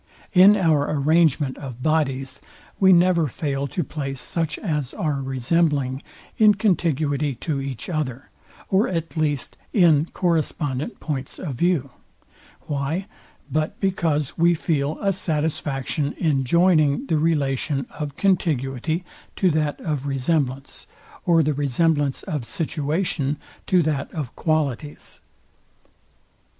In our arrangement of bodies we never fail to place such as are resembling, in contiguity to each other, or at least in correspondent points of view: Why? but because we feel a satisfaction in joining the relation of contiguity to that of resemblance, or the resemblance of situation to that of qualities.